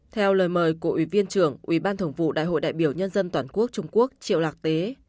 theo lời mời của ủy viên trưởng ủy ban thường vụ đại hội đại biểu nhân dân toàn quốc trung quốc triệu lạc tế